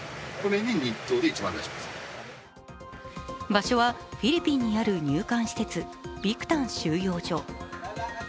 場所はフィリピンにある入管施設、ビクタン収容所。